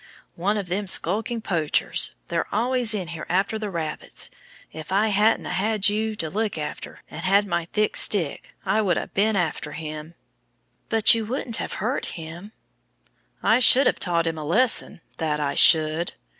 "One of them skulking poachers they're always in here after the rabbits. If I hadn't a had you to look after and had my thick stick I would a been after him." "But you wouldn't have hurt him?" "I should have taught him a lesson, that I should!"